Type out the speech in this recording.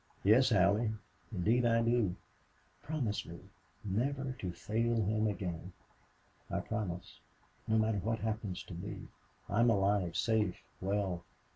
"Yes, Allie, indeed I do." "Promise me never to fail him again." "I promise." "No matter what happens to me. I am alive, safe, well...